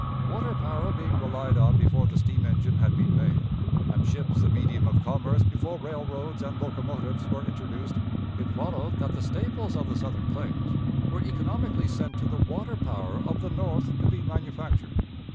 Water power being relied on before the steam engine had been made, and ships the medium of commerce before railroads and locomotives were introduced, it followed that the staples of the Southern plains were economically sent to the water power of the North to be manufactured.